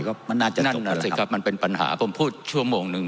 ก็มันน่าจะนั่นน่ะสิครับมันเป็นปัญหาผมพูดชั่วโมงหนึ่ง